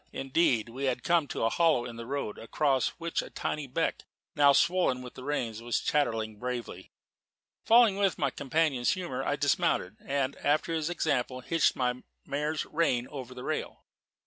Indeed, we had come to a hollow in the road, across which a tiny beck, now swollen with the rains, was chattering bravely. Falling in with my companion's humour, I dismounted, and, after his example, hitched my mare's rein over the rail.